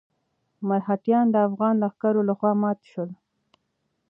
مرهټیان د افغان لښکرو لخوا مات شول.